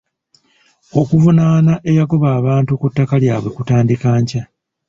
Okuvunaana eyagoba abantu ku ttaka lyabwe kutandika nkya.